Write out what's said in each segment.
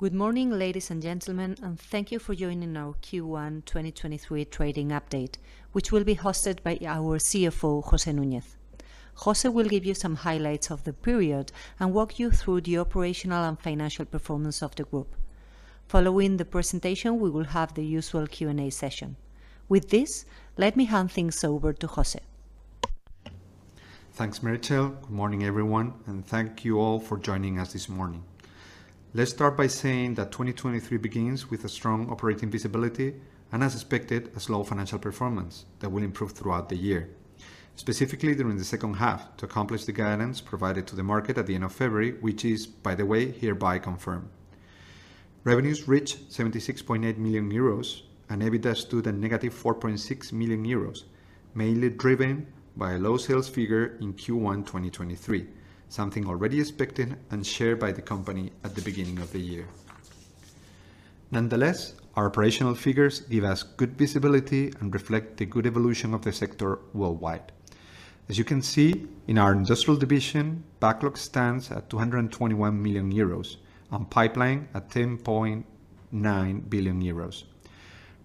Good morning, ladies and gentlemen, thank you for joining our Q1 2023 trading update, which will be hosted by our CFO, José Núñez. José will give you some highlights of the period and walk you through the operational and financial performance of the group. Following the presentation, we will have the usual Q&A session. With this, let me hand things over to José. Thanks, Maricel. Good morning, everyone. Thank you all for joining us this morning. Let's start by saying that 2023 begins with a strong operating visibility. As expected, a slow financial performance that will improve throughout the year, specifically during the second half to accomplish the guidance provided to the market at the end of February, which is, by the way, hereby confirmed. Revenues reached 76.8 million euros. EBITDA stood at negative 4.6 million euros, mainly driven by a low sales figure in Q1 2023, something already expected and shared by the company at the beginning of the year. Nonetheless, our operational figures give us good visibility and reflect the good evolution of the sector worldwide. As you can see in our industrial division, backlog stands at 221 million euros on pipeline at 10.9 billion euros.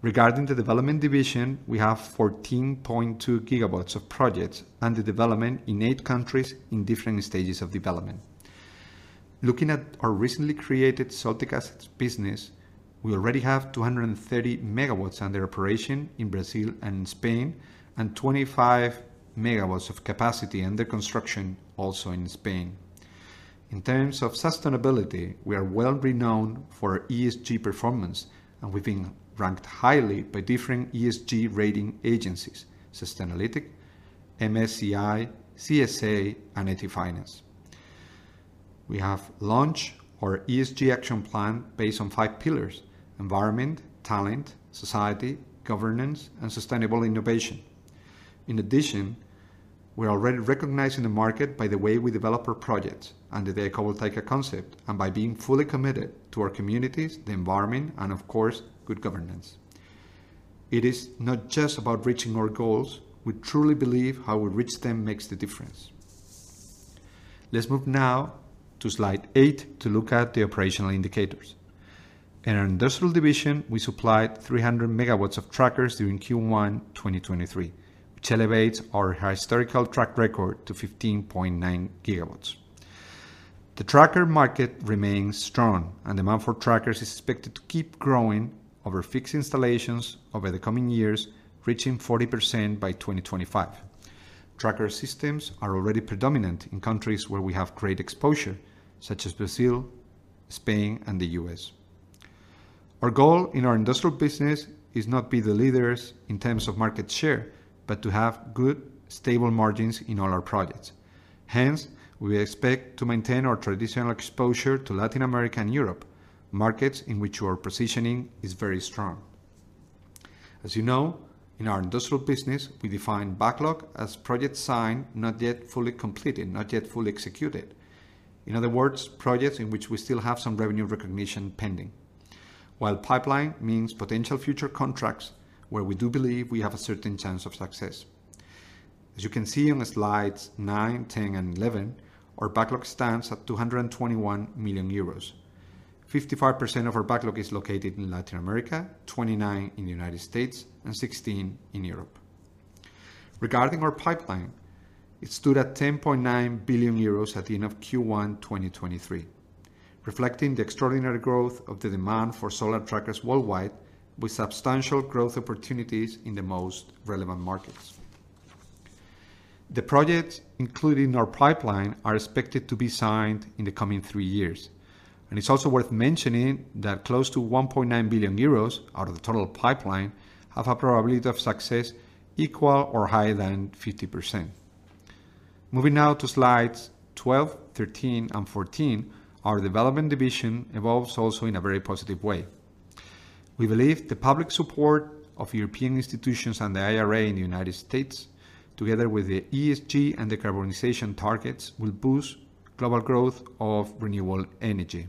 Regarding the development division, we have 14.2 GW of projects under development in 8 countries in different stages of development. Looking at our recently created Soltec Assets business, we already have 230 MW under operation in Brazil and in Spain and 25 MW of capacity under construction also in Spain. In terms of sustainability, we are well renowned for our ESG performance. We've been ranked highly by different ESG rating agencies, Sustainalytics, MSCI, CSA, and EthiFinance. We have launched our ESG action plan based on five pillars: environment, talent, society, governance, and sustainable innovation. In addition, we're already recognized in the market by the way we develop our projects under the Ecovoltaics concept, by being fully committed to our communities, the environment, and of course, good governance. It is not just about reaching our goals, we truly believe how we reach them makes the difference. Let's move now to slide eight to look at the operational indicators. In our industrial division, we supplied 300 MW of trackers during Q1 2023, which elevates our historical track record to 15.9 GW. The tracker market remains strong, and demand for trackers is expected to keep growing over fixed installations over the coming years, reaching 40% by 2025. Tracker systems are already predominant in countries where we have great exposure, such as Brazil, Spain, and the U.S. Our goal in our industrial business is not be the leaders in terms of market share, but to have good, stable margins in all our projects. Hence, we expect to maintain our traditional exposure to Latin America and Europe, markets in which our positioning is very strong. As you know, in our industrial business, we define backlog as project signed, not yet fully completed, not yet fully executed. In other words, projects in which we still have some revenue recognition pending. While pipeline means potential future contracts where we do believe we have a certain chance of success. As you can see on the slides 9, 10, and 11, our backlog stands at 221 million euros. 55% of our backlog is located in Latin America, 29% in the United States, and 16% in Europe. Regarding our pipeline, it stood at 10.9 billion euros at the end of Q1 2023, reflecting the extraordinary growth of the demand for solar trackers worldwide with substantial growth opportunities in the most relevant markets. The projects included in our pipeline are expected to be signed in the coming three years, and it's also worth mentioning that close to 1.9 billion euros out of the total pipeline have a probability of success equal or higher than 50%. Moving now to slides 12, 13, and 14, our development division evolves also in a very positive way. We believe the public support of European institutions and the IRA in the United States, together with the ESG and decarbonization targets, will boost global growth of renewable energy.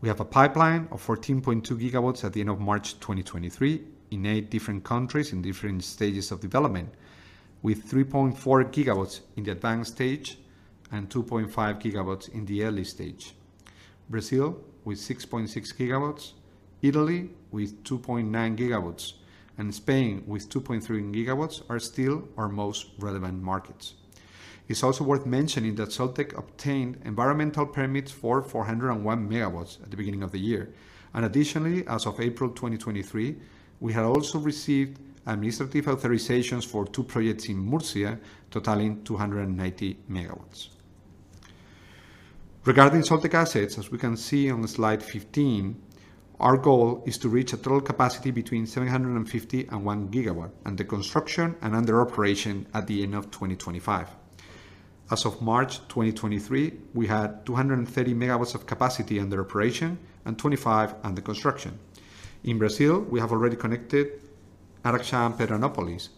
We have a pipeline of 14.2 GW at the end of March 2023 in 8 different countries in different stages of development, with 3.4 GW in the advanced stage and 2.5 GW in the early stage. Brazil, with 6.6 GW, Italy with 2.9 GW, and Spain with 2.3 GW are still our most relevant markets. It's also worth mentioning that Soltec obtained environmental permits for 401 MW at the beginning of the year. Additionally, as of April 2023, we have also received administrative authorizations for two projects in Murcia, totaling 290 MW. Regarding Soltec Assets, as we can see on the slide 15, our goal is to reach a total capacity between 750 MW and 1 GW under construction and under operation at the end of 2025. As of March 2023, we had 230 MW of capacity under operation and 25 MW under construction. In Brazil, we have already connected Araxá and Pedranópolis,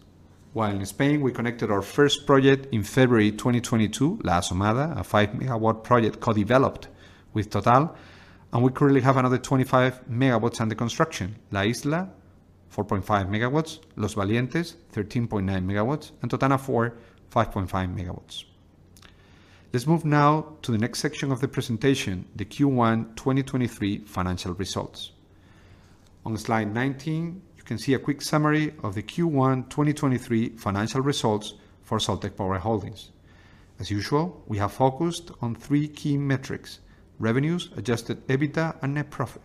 while in Spain, we connected our first project in February 2022, La Asomada, a 5 MW project co-developed with Total, and we currently have another 25 MW under construction: La Isla, 4.5 MW, Los Valientes, 13.9 MW, and Totana IV, 5.5 MW. Let's move now to the next section of the presentation, the Q1 2023 financial results. On slide 19, you can see a quick summary of the Q1 2023 financial results for Soltec Power Holdings. As usual, we have focused on three key metrics: revenues, adjusted EBITDA, and net profit.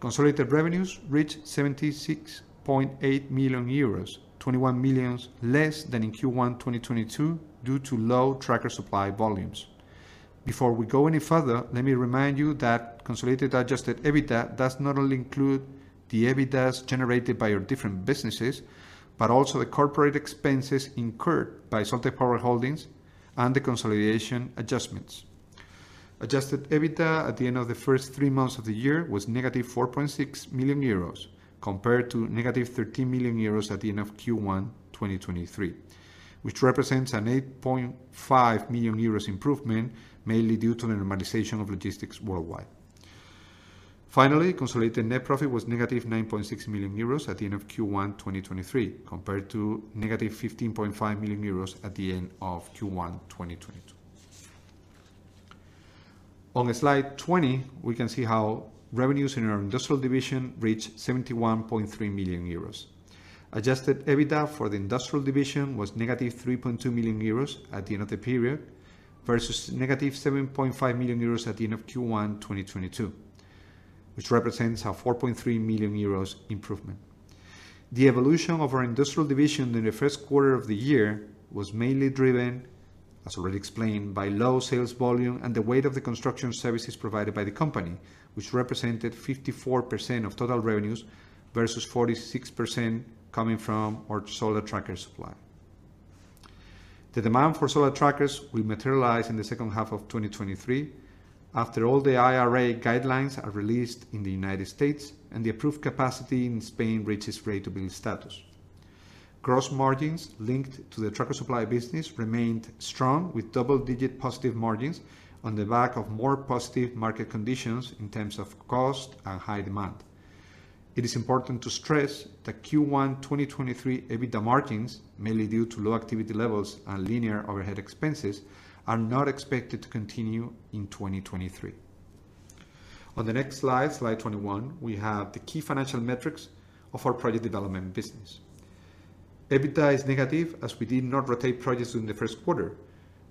Consolidated revenues reached 76.8 million euros, 21 million less than in Q1 2022 due to low tracker supply volumes. Before we go any further, let me remind you that consolidated adjusted EBITDA does not only include the EBITDAs generated by our different businesses, but also the corporate expenses incurred by Soltec Power Holdings and the consolidation adjustments. Adjusted EBITDA at the end of the first 3 months of the year was negative 4.6 million euros compared to -13 million euros at the end of Q1 2023, which represents an 8.5 million euros improvement, mainly due to the normalization of logistics worldwide. Finally, consolidated net profit was -9.6 million euros at the end of Q1 2023, compared to -15.5 million euros at the end of Q1 2022. On slide 20, we can see how revenues in our industrial division reached 71.3 million euros. Adjusted EBITDA for the industrial division was -3.2 million euros at the end of the period, versus -7.5 million euros at the end of Q1 2022, which represents a 4.3 million euros improvement. The evolution of our industrial division in the first quarter of the year was mainly driven, as already explained, by low sales volume and the weight of the construction services provided by the company, which represented 54% of total revenues, versus 46% coming from our solar tracker supply. The demand for solar trackers will materialize in the second half of 2023, after all the IRA guidelines are released in the United States and the approved capacity in Spain reaches ready-to-build status. Gross margins linked to the tracker supply business remained strong with double-digit positive margins on the back of more positive market conditions in terms of cost and high demand. It is important to stress that Q1 2023 EBITDA margins, mainly due to low activity levels and linear overhead expenses, are not expected to continue in 2023. On the next slide 21, we have the key financial metrics of our project development business. EBITDA is negative as we did not rotate projects in the first quarter.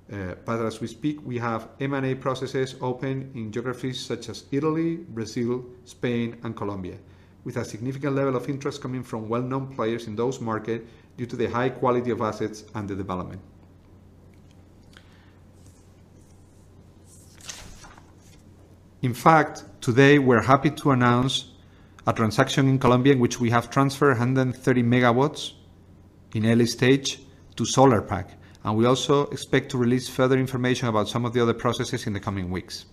As we speak, we have M&A processes open in geographies such as Italy, Brazil, Spain, and Colombia, with a significant level of interest coming from well-known players in those market due to the high quality of assets under development. In fact, today we're happy to announce a transaction in Colombia in which we have transferred 130 MW in early stage to Solarpack, and we also expect to release further information about some of the other processes in the coming weeks.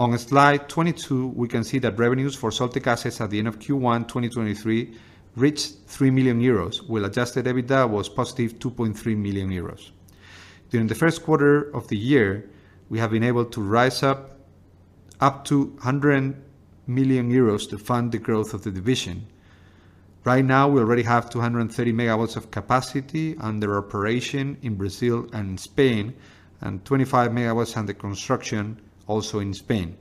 On slide 22, we can see that revenues for Soltec Assets at the end of Q1 2023 reached 3 million euros, while adjusted EBITDA was +2.3 million euros. During the first quarter of the year, we have been able to raise up to 100 million euros to fund the growth of the division. Right now, we already have 230 MW of capacity under operation in Brazil and Spain, and 25 MW under construction, also in Spain.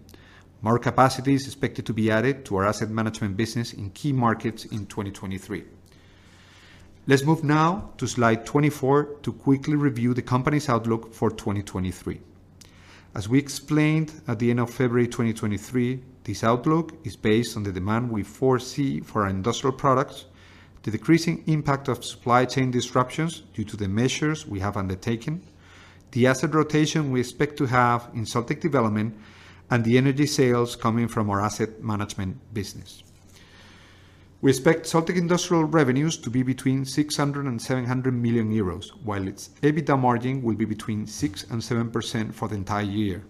More capacity is expected to be added to our asset management business in key markets in 2023. Let's move now to slide 24 to quickly review the company's outlook for 2023. As we explained at the end of February 2023, this outlook is based on the demand we foresee for our industrial products, the decreasing impact of supply chain disruptions due to the measures we have undertaken, the asset rotation we expect to have in Soltec Development, and the energy sales coming from our asset management business. We expect Soltec Industrial revenues to be between 600 million-700 million euros, while its EBITDA margin will be between 6%-7% for the entire year.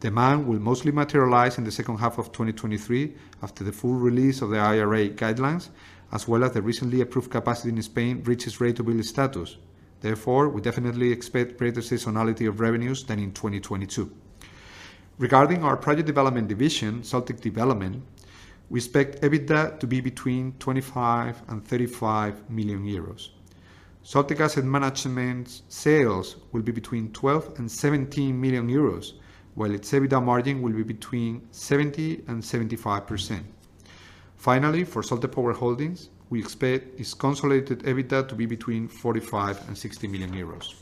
Demand will mostly materialize in the second half of 2023 after the full release of the IRA guidelines, as well as the recently approved capacity in Spain reaches ready-to-build status. Therefore, we definitely expect greater seasonality of revenues than in 2022. Regarding our project development division, Soltec Development, we expect EBITDA to be between 25 million and 35 million euros. Soltec Asset Management's sales will be between 12 million and 17 million euros, while its EBITDA margin will be between 70% and 75%. Finally, for Soltec Power Holdings, we expect its consolidated EBITDA to be between 45 million and 60 million euros.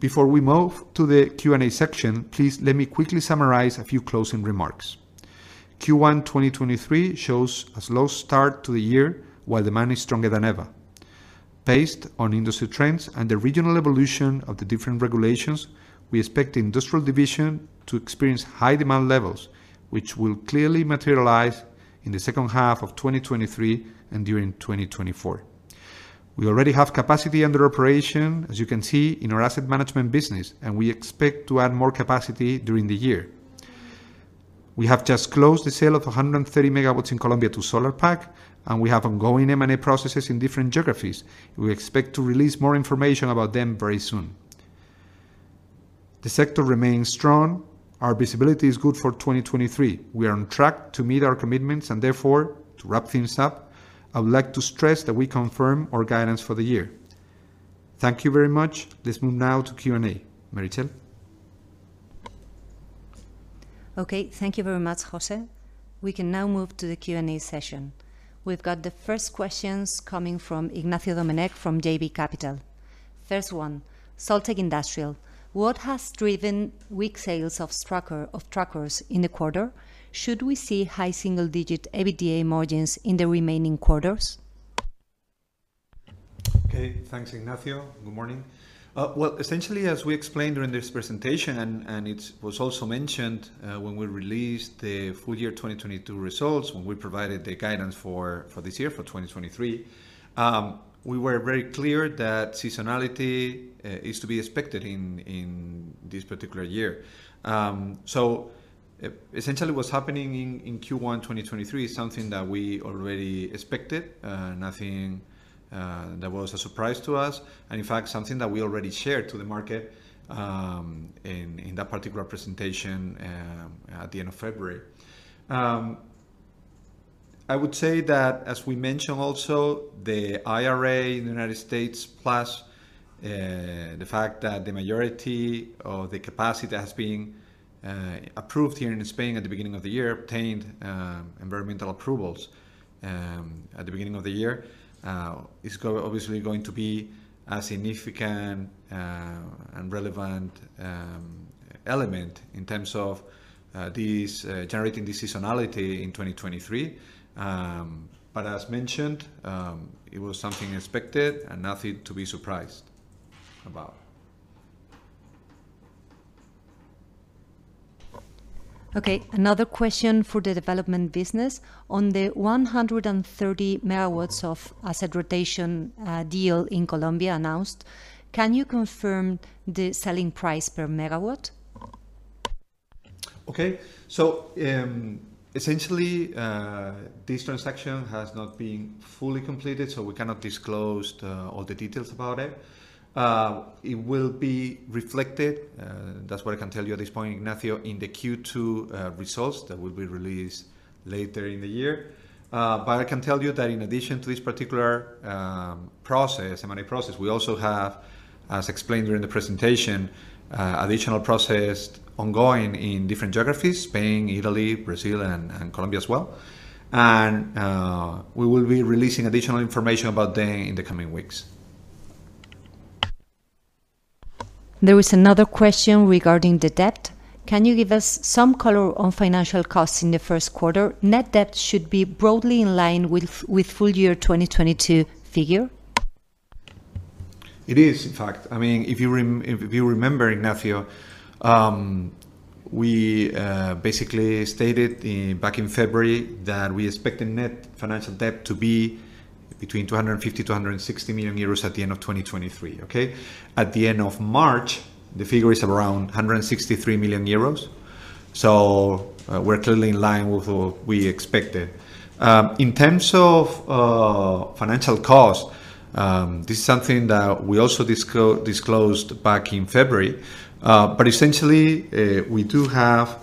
Before we move to the Q&A section, please let me quickly summarize a few closing remarks. Q1 2023 shows a slow start to the year while demand is stronger than ever. Based on industry trends and the regional evolution of the different regulations, we expect the Industrial division to experience high demand levels, which will clearly materialize in the second half of 2023 and during 2024. We already have capacity under operation, as you can see in our Asset Management business, and we expect to add more capacity during the year. We have just closed the sale of 130 MW in Colombia to Solarpack. We have ongoing M&A processes in different geographies. We expect to release more information about them very soon. The sector remains strong. Our visibility is good for 2023. We are on track to meet our commitments. Therefore, to wrap things up, I would like to stress that we confirm our guidance for the year. Thank you very much. Let's move now to Q&A. Maricel. Okay. Thank you very much, José. We can now move to the Q&A session. We've got the first questions coming from Ignacio Doménech from JB Capital. First one, Soltec Industrial. What has driven weak sales of trackers in the quarter? Should we see high single-digit EBITDA margins in the remaining quarters? Okay. Thanks, Ignacio. Good morning. Well, essentially, as we explained during this presentation, and it was also mentioned, when we released the full year 2022 results, when we provided the guidance for this year, for 2023, we were very clear that seasonality is to be expected in this particular year. Essentially what's happening in Q1 2023 is something that we already expected, nothing that was a surprise to us, and in fact, something that we already shared to the market, in that particular presentation, at the end of February. I would say that, as we mentioned also, the IRA in the United States plus the fact that the majority of the capacity that has been approved here in Spain at the beginning of the year, obtained environmental approvals at the beginning of the year, is obviously going to be a significant and relevant element in terms of these generating this seasonality in 2023. As mentioned, it was something expected and nothing to be surprised about. Okay. Another question for the development business. On the 130 MW of asset rotation deal in Colombia announced, can you confirm the selling price per megawatt? Essentially, this transaction has not been fully completed, so we cannot disclose all the details about it. It will be reflected, that's what I can tell you at this point, Ignacio, in the Q2 results that will be released later in the year. But I can tell you that in addition to this particular process, M&A process, we also have, as explained during the presentation, additional process ongoing in different geographies, Spain, Italy, Brazil and Colombia as well. We will be releasing additional information about them in the coming weeks. There was another question regarding the debt. Can you give us some color on financial costs in the first quarter? Net debt should be broadly in line with full year 2022 figure. It is, in fact. I mean, if you remember, Ignacio, we basically stated back in February that we expect the net financial debt to be between 250 million-160 million euros at the end of 2023, okay? At the end of March, the figure is around 163 million euros. We're clearly in line with what we expected. In terms of financial cost, this is something that we also disclosed back in February. Essentially, we do have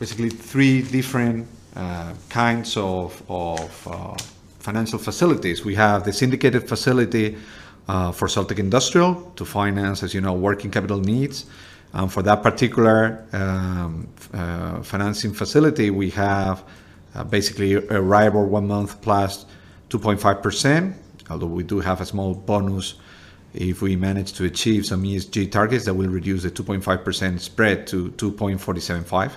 basically three different kinds of financial facilities. We have the syndicated facility for Soltec Industrial to finance, as you know, working capital needs. For that particular financing facility, we have basically Euribor one month plus 2.5%, although we do have a small bonus if we manage to achieve some ESG targets that will reduce the 2.5% spread to 2.475%.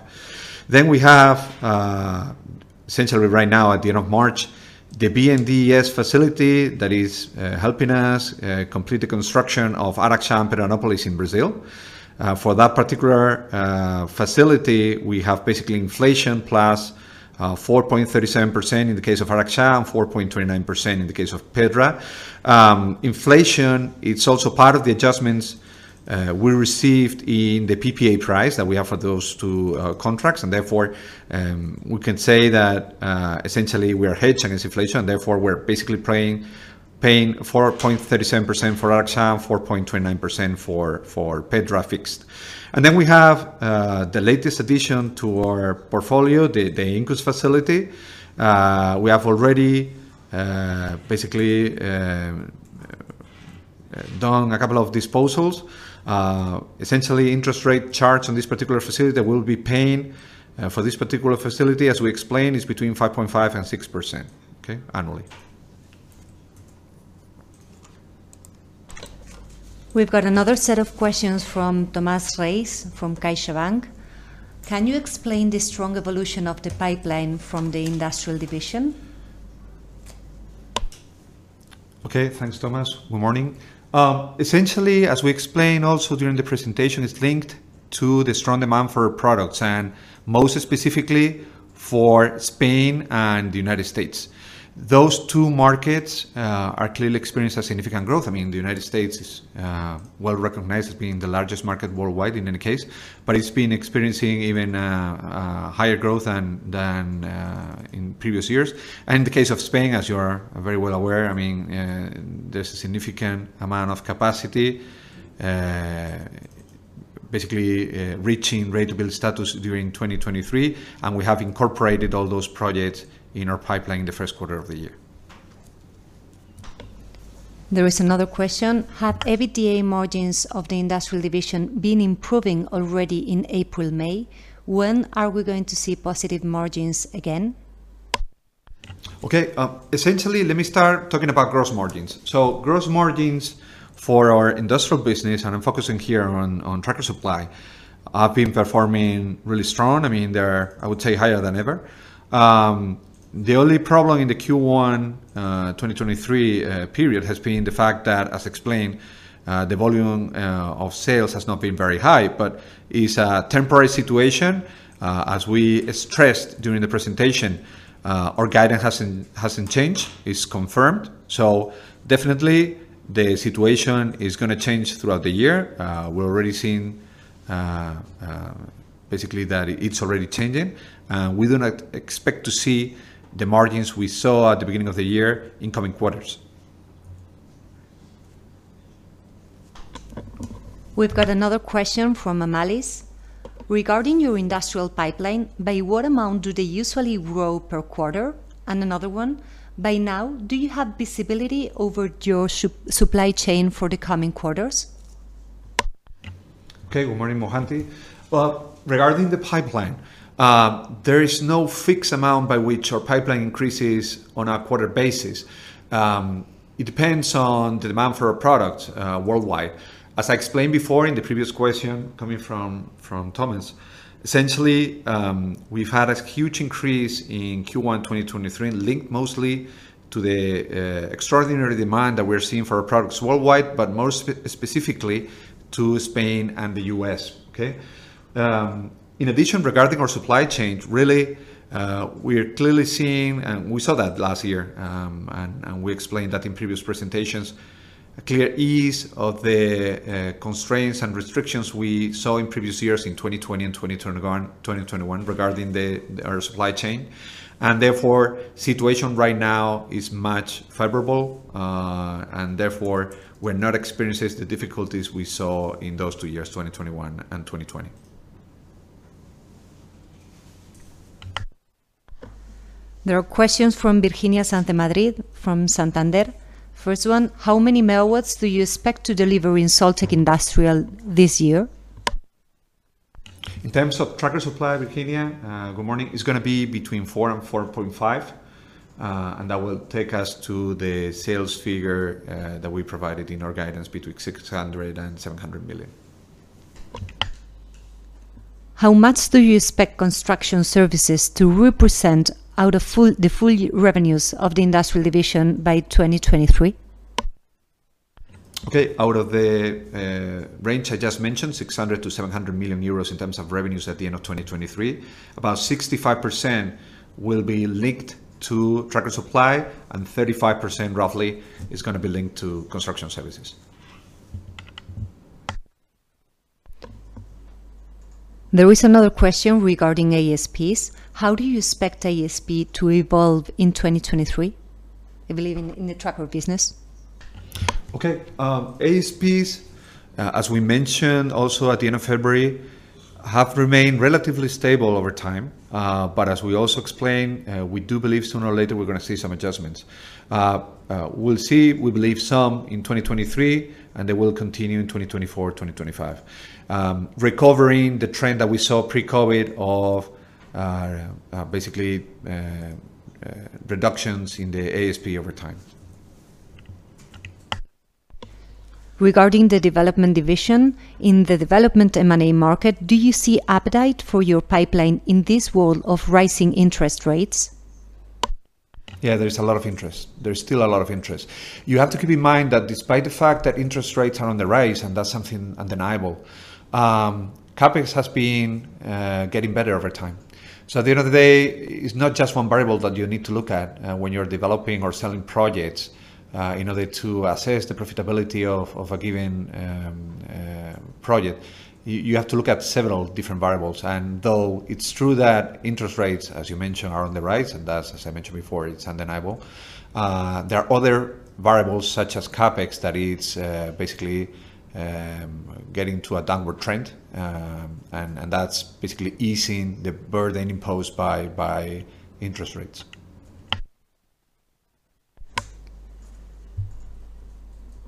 Then we have essentially right now at the end of March, the BNDES facility that is helping us complete the construction of Araxá and Pedranópolis in Brazil. For that particular facility, we have basically inflation plus 4.37% in the case of Araxá and 4.29% in the case of Pedra. Inflation, it's also part of the adjustments we received in the PPA price that we have for those two contracts. Therefore, we can say that essentially we are hedged against inflation. We're basically paying 4.37% for Araxá and 4.29% for Pedra fixed. We have the latest addition to our portfolio, the Incus facility. We have already basically done a couple of disposals. Essentially interest rate charts on this particular facility that we'll be paying for this particular facility, as we explained, is between 5.5% and 6% annually. We've got another set of questions from Tomás Muniesa from CaixaBank. Can you explain the strong evolution of the pipeline from the industrial division? Okay. Thanks, Tomás. Good morning. Essentially, as we explained also during the presentation, it's linked to the strong demand for products and most specifically for Spain and the United States. Those two markets are clearly experiencing a significant growth. I mean, the United States is well-recognized as being the largest market worldwide in any case, but it's been experiencing even higher growth than in previous years. In the case of Spain, as you are very well aware, I mean, there's a significant amount of capacity, basically reaching ready-to-build status during 2023, and we have incorporated all those projects in our pipeline in the first quarter of the year. There is another question. Have EBITDA margins of the industrial division been improving already in April, May? When are we going to see positive margins again? Essentially, let me start talking about gross margins. Gross margins for our industrial business, and I'm focusing here on Tracker Supply, have been performing really strong. I mean, they're, I would say, higher than ever. The only problem in the Q1 2023 period has been the fact that, as explained, the volume of sales has not been very high. It's a temporary situation. As we stressed during the presentation, our guidance hasn't changed. It's confirmed. Definitely the situation is gonna change throughout the year. We're already seeing basically that it's already changing. We do not expect to see the margins we saw at the beginning of the year in coming quarters. We've got another question from Amalis. Regarding your industrial pipeline, by what amount do they usually grow per quarter? Another one: By now, do you have visibility over your supply chain for the coming quarters? Okay. Good morning, Mohanti. Well, regarding the pipeline, there is no fixed amount by which our pipeline increases on a quarter basis. It depends on the demand for our product worldwide. As I explained before in the previous question coming from Tomás, essentially, we've had a huge increase in Q1 2023, linked mostly to the extraordinary demand that we're seeing for our products worldwide, but more specifically to Spain and the US, okay? In addition, regarding our supply chain, really, we are clearly seeing, and we saw that last year, and we explained that in previous presentations, a clear ease of the constraints and restrictions we saw in previous years in 2020 and 2021 regarding our supply chain. Situation right now is much favorable. Therefore, we're not experiencing the difficulties we saw in those two years, 2021 and 2020. There are questions from Virginia Santamaría from Santander. First one, how many megawatts do you expect to deliver in Soltec Industrial this year? In terms of tracker supply, Virginia, good morning, it's gonna be between 4 and 4.5. That will take us to the sales figure that we provided in our guidance between 600 million and 700 million. How much do you expect construction services to represent out of the full revenues of the industrial division by 2023? Okay. Out of the range I just mentioned, 600 million-700 million euros in terms of revenues at the end of 2023, about 65% will be linked to tracker supply and 35% roughly is gonna be linked to construction services. There is another question regarding ASPs. How do you expect ASP to evolve in 2023? I believe in the tracker business. Okay. ASPs, as we mentioned also at the end of February, have remained relatively stable over time. As we also explained, we do believe sooner or later we're gonna see some adjustments. We'll see, we believe, some in 2023, they will continue in 2024, 2025, recovering the trend that we saw pre-COVID of, basically, reductions in the ASP over time. Regarding the development division, in the development M&A market, do you see appetite for your pipeline in this world of rising interest rates? Yeah, there is a lot of interest. There is still a lot of interest. You have to keep in mind that despite the fact that interest rates are on the rise, and that's something undeniable, CapEx has been getting better over time. At the end of the day, it's not just one variable that you need to look at when you're developing or selling projects in order to assess the profitability of a given project. You have to look at several different variables. Though it's true that interest rates, as you mentioned, are on the rise, and that's as I mentioned before, it's undeniable, there are other variables such as CapEx that it's basically getting to a downward trend. That's basically easing the burden imposed by interest rates.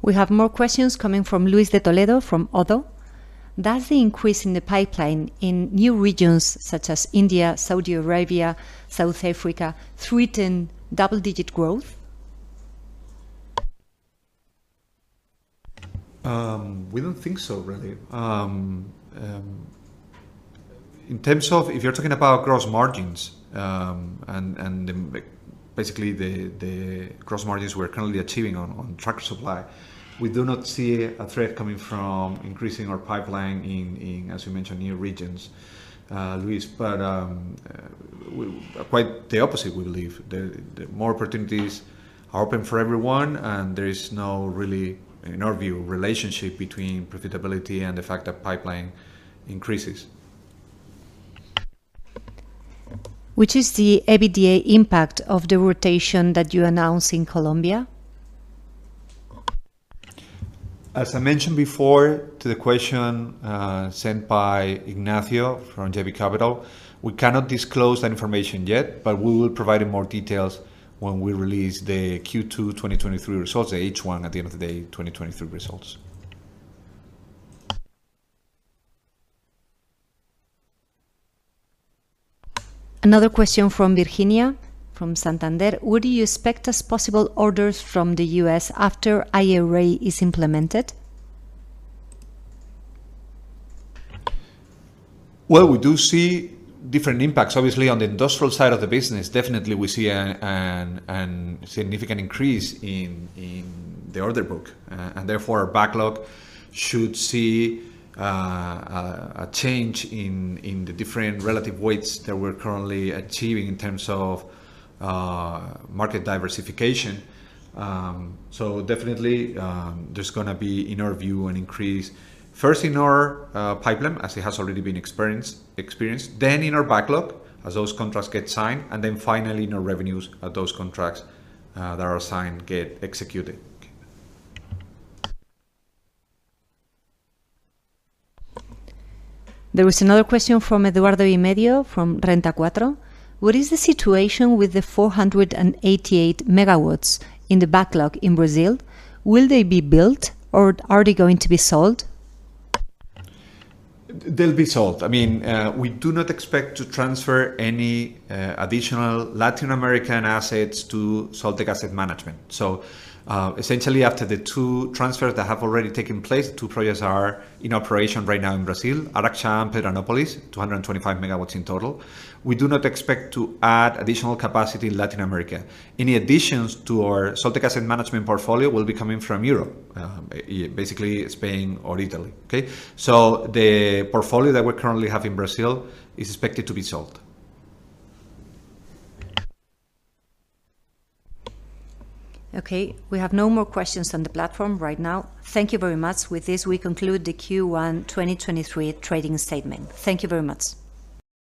We have more questions coming from Luis De Toledo from ODDO. Does the increase in the pipeline in new regions such as India, Saudi Arabia, South Africa threaten double-digit growth? We don't think so, really. In terms of if you're talking about gross margins, basically the gross margins we're currently achieving on tracker supply, we do not see a threat coming from increasing our pipeline in, as you mentioned, new regions, Luis. Quite the opposite, we believe. The more opportunities are open for everyone, and there is no really, in our view, relationship between profitability and the fact that pipeline increases. Which is the EBITDA impact of the rotation that you announced in Colombia? As I mentioned before to the question, sent by Ignacio from JB Capital, we cannot disclose that information yet, but we will provide you more details when we release the Q2 2023 results, the H1 at the end of the day 2023 results. Question from Virginia from Santander. What do you expect as possible orders from the US after IRA is implemented? Well, we do see different impacts. Obviously, on the industrial side of the business, definitely we see an significant increase in the order book. Therefore, our backlog should see a change in the different relative weights that we're currently achieving in terms of market diversification. Definitely, there's gonna be, in our view, an increase first in our pipeline as it has already been experienced. Then in our backlog as those contracts get signed, and then finally in our revenues as those contracts that are signed get executed. There is another question from Eduardo Imedio from Renta 4. What is the situation with the 488 MW in the backlog in Brazil? Will they be built or are they going to be sold? They'll be sold. I mean, we do not expect to transfer any additional Latin American assets to Soltec Asset Management. Essentially after the two transfers that have already taken place, the two projects are in operation right now in Brazil, Araxá and Pedranópolis, 225 MW in total. We do not expect to add additional capacity in Latin America. Any additions to our Soltec Asset Management portfolio will be coming from Europe, basically Spain or Italy. Okay? The portfolio that we currently have in Brazil is expected to be sold. Okay, we have no more questions on the platform right now. Thank you very much. With this, we conclude the Q12023 trading statement. Thank you very much.